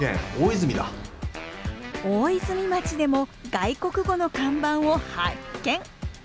大泉町でも外国語の看板を発見！